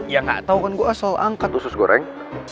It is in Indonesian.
ya gak tau kan gue asal angkat usus goreng